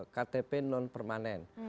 ktp non permanen